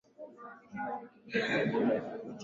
kuna mabishano mengi juu ya maelezo ya kifo chake